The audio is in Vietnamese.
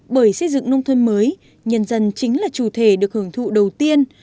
bởi xây dựng nông thôn mới nhân dân chính là chủ thể được hưởng thụ đầu tiên